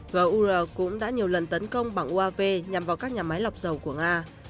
gur cũng đã nhiều lần tấn công bằng uav nhằm vào các nhà máy lọc dầu của nga